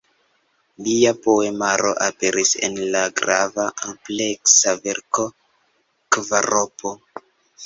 Lia poemaro aperis en la grava ampleksa verko "Kvaropo".